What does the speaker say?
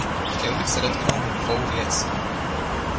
Chtěl bych se dotknout dvou věcí.